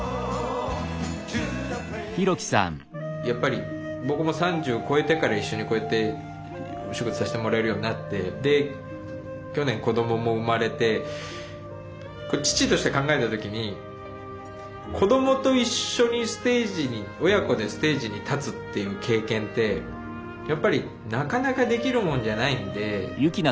やっぱり僕も３０を越えてから一緒にこうやってお仕事させてもらえるようになってで去年子供も生まれてこう父として考えた時に子供と一緒にステージに親子でステージに立つっていう経験ってやっぱりなかなかできるもんじゃないんで。